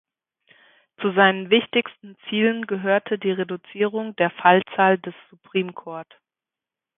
Zu seinen wichtigsten Zielen gehörte die Reduzierung der Fallzahl des Supreme Court.